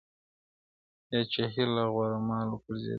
پاچهۍ له غوړه مالو پرزېدلي!!